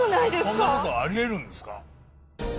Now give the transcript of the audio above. そんな事あり得るんですか？